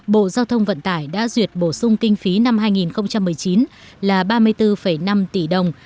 bộ giao thông vận tải đã duyệt bổ sung kinh phí năm hai nghìn một mươi chín là ba mươi bốn năm tỷ đồng